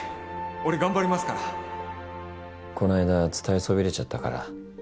俺頑張りまこないだ伝えそびれちゃったから。